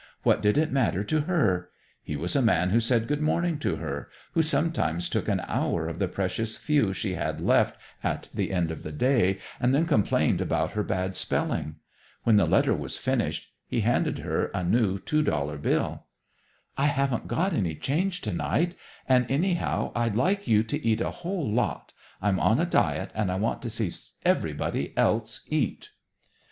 What did it matter to her? He was a man who said good morning to her, who sometimes took an hour of the precious few she had left at the end of the day and then complained about her bad spelling. When the letter was finished, he handed her a new two dollar bill. "I haven't got any change tonight; and anyhow, I'd like you to eat a whole lot. I'm on a diet, and I want to see everybody else eat."